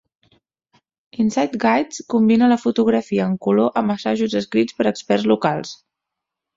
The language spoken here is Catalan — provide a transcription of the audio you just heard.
Insight Guides combina la fotografia en color amb assajos escrits per experts locals.